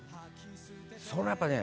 それはやっぱね